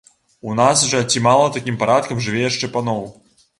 У нас жа ці мала такім парадкам жыве яшчэ паноў!